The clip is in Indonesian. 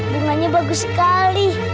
bunganya bagus sekali